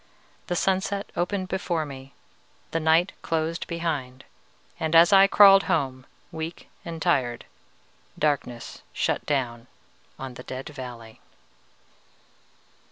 The sunset opened before me, the night closed behind, and as I crawled home weak and tired, darkness shut down on the Dead Valley."